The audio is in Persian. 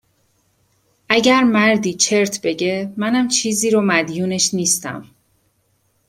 اگر مردی چرت بگه، منم چیزی رو مدیونش نیستم